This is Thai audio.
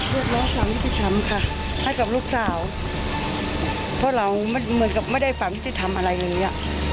ลูกเราฝังที่จะทำค่ะให้กับลูกสาวเพราะเรามันเหมือนกับไม่ได้ฝังที่จะทำอะไรเลยอ่ะ